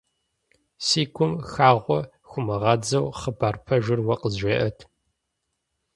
Си гум хагъуэ хыумыгъадзэу хъыбар пэжыр уэ къызжеӀэт.